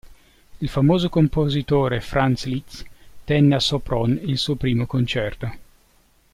Il famoso compositore Franz Liszt tenne a Sopron il suo primo concerto.